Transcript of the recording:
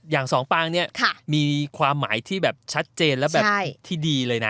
อย่างสองปางเนี่ยมีความหมายที่แบบชัดเจนและแบบที่ดีเลยนะ